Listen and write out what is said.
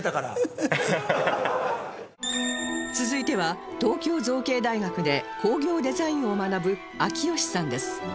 続いては東京造形大学で工業デザインを学ぶ秋吉さんです